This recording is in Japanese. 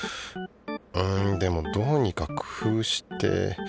うんでもどうにか工夫して。